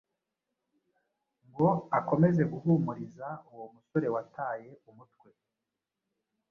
ngo akomeze guhumuriza uwo musore wataye umutwe.